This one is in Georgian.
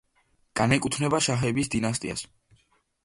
განეკუთვნება შაჰების დინასტიას.